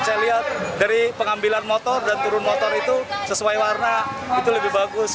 saya lihat dari pengambilan motor dan turun motor itu sesuai warna itu lebih bagus